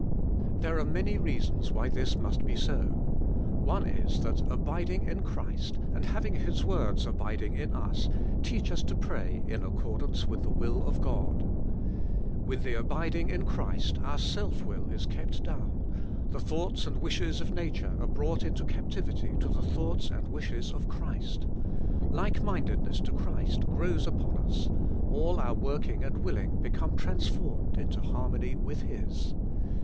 There are many reasons why this must be so. One is, that abiding in Christ, and having His words abiding in us, teach us to pray in accordance with the ivill of God. With the abiding in Christ our self will is kept down, the thoughts and wishes of nature are brought into captivity to the thoughts and wishes of Christ; like mindedness to Christ grows upon us— all our working and willing become transformed into harmony with His.